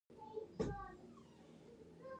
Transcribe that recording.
ایا ستاسو خوبونه ریښتیني دي؟